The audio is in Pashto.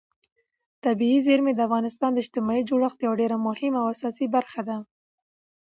طبیعي زیرمې د افغانستان د اجتماعي جوړښت یوه ډېره مهمه او اساسي برخه ده.